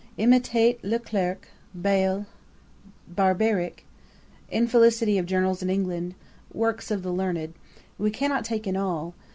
Imitate Le Clerk Bayle Barbeyrac. Infelicity of Journals in England. Works of the learned. We cannot take in all.